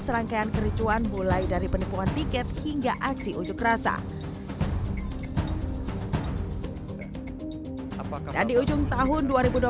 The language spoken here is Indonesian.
serangkaian kerucuan mulai dari penipuan tiket hingga aksi ujuk rasa dan di ujung tahun dua ribu dua puluh tiga